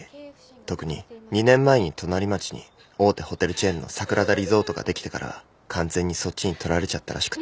特に２年前に隣町に大手ホテルチェーンの桜田リゾートができてから完全にそっちに取られちゃったらしくて。